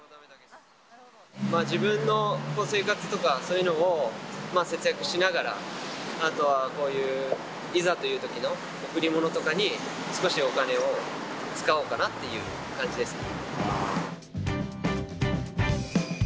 自分の生活とかそういうのを節約しながら、あとはこういう、いざというときの贈り物とかに少しお金を使おうかなっていう感じですね。